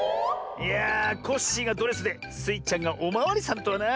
いやコッシーがドレスでスイちゃんがおまわりさんとはな。